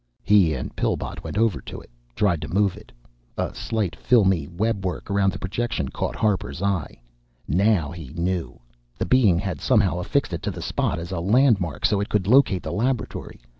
He and Pillbot went over to it, tried to move it. A slight filmy webwork around the projection caught Harper's eye. Now he knew the Being had somehow affixed it to the spot as a landmark, so It could locate the laboratory.